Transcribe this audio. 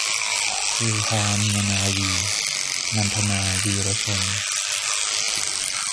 เฮฮาเมียนาวี - นันทนา วีระชน